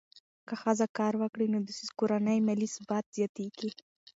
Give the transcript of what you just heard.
که ښځه کار وکړي، نو د کورنۍ مالي ثبات زیاتېږي.